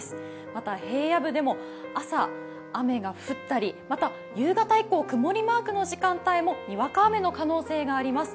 また平野部でも朝雨が降ったりまた夕方以降曇りマークの時間帯もにわか雨の可能性があります。